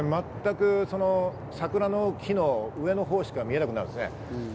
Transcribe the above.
これ全く桜の木の上の方しか見えなくなるんですね。